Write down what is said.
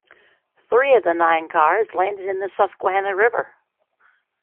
Three of the nine cars landed in the Susquehanna River.